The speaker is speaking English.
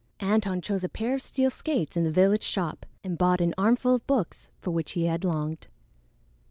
Antone chose a pair of steel skates in the village shop and bought an armful of books for which he had longed.